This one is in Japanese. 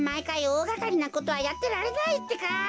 おおがかりなことはやってられないってか。